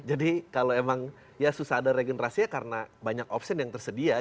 jadi kalau emang ya susah ada regenerasinya karena banyak option yang tersedia